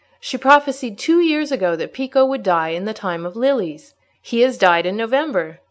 She prophesied two years ago that Pico would die in the time of lilies. He has died in November.